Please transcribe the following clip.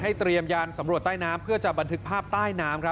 เตรียมยานสำรวจใต้น้ำเพื่อจะบันทึกภาพใต้น้ำครับ